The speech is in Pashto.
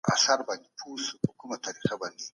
دا شیان په پیسو نه پلورل کیږي.